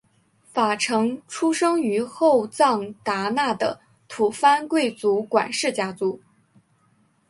法成出生于后藏达那的吐蕃贵族管氏家族。